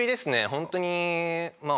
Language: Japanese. ホントにまあ